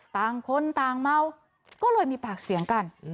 ต่างคนต่างเมาก็เลยมีปากเสียงกัน